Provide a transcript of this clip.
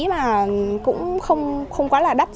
mà cũng không quá là đắt